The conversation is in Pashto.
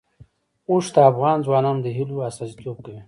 اوښ د افغان ځوانانو د هیلو استازیتوب کوي.